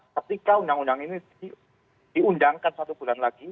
ketika undang undang ini diundangkan satu bulan lagi